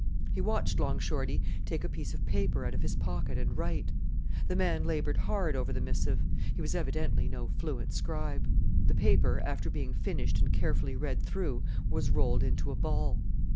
He watched Long Shorty take a piece of paper out of his pocket and write. The man laboured hard over the missive; he was evidently no fluent scribe. The paper, after being finished and carefully read through, was rolled into a ball.